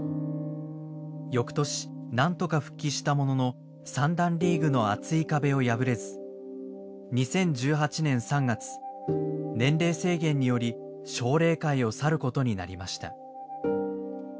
翌年なんとか復帰したものの三段リーグの厚い壁を破れず２０１８年３月年齢制限により奨励会を去ることになりました。